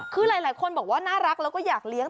คือหลายคนบอกว่าน่ารักแล้วก็อยากเลี้ยง